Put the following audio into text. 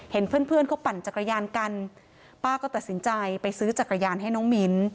เห็นเพื่อนเพื่อนเขาปั่นจักรยานกันป้าก็ตัดสินใจไปซื้อจักรยานให้น้องมิ้น